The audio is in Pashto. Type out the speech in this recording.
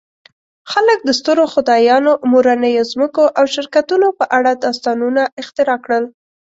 خلک د سترو خدایانو، مورنیو ځمکو او شرکتونو په اړه داستانونه اختراع کړل.